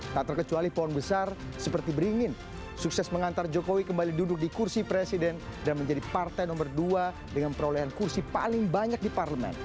tak terkecuali pohon besar seperti beringin sukses mengantar jokowi kembali duduk di kursi presiden dan menjadi partai nomor dua dengan perolehan kursi paling banyak di parlemen